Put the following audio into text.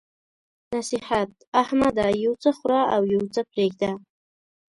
نصيحت: احمده! یو څه خوره او يو څه پرېږده.